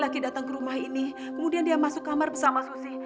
kemudian dia masuk kamar bersama susi